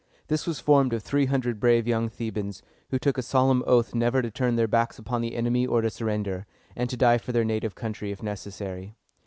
This was formed of three hundred brave young Thebans, who took a solemn oath never to turn their backs upon the enemy or to surrender, and to die for their native country if necessary.